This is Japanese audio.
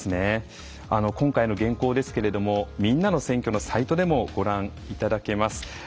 今回の原稿ですけども「みんなの選挙」のサイトでもご覧いただけます。